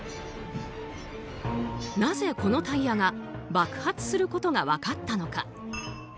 なぜ、このタイヤが爆発することが分かったのか。